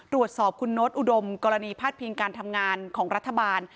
ตรวจสอบคุณโน๊ตอุดมกรณีพาดพิงการทำงานของรัฐบาล